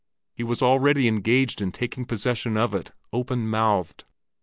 He was already engaged in taking possession of it, open mouthed.